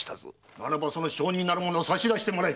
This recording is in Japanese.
ならばその証人なる者を差し出してもらいたい。